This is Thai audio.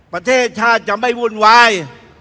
ประเทศชาติจะไม่วุ่นวาย